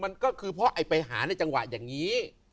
มันก็คือเพราะไอ้ไปหาในจังหวะอย่างนี้